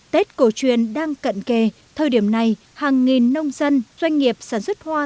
tết cổ truyền đang cận kề thời điểm này hàng nghìn nông dân doanh nghiệp sản xuất hoa